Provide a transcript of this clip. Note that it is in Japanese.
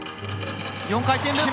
４回転ループ。